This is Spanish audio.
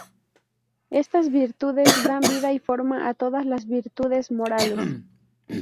Estas virtudes dan vida y forma a todas las virtudes morales.